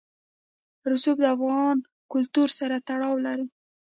رسوب د افغان کلتور سره تړاو لري.